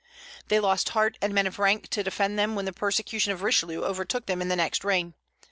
They lost heart and men of rank to defend them when the persecution of Richelieu overtook them in the next reign.